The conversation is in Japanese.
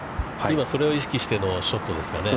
今、それを意識してのショットですかね。